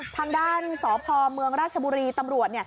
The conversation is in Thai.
ทางด้านสพเมืองราชบุรีตำรวจ